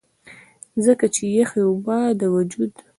ځکه چې يخې اوبۀ د وجود